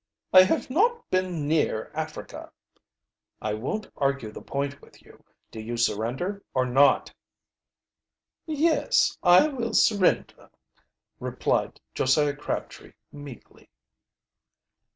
"I have not been near Africa." "I won't argue the point with you. Do you surrender or not?" "Yes, I will surrender," replied Josiah Crabtree meekly.